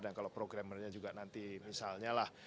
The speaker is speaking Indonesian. dan kalau programmernya juga nanti misalnya lah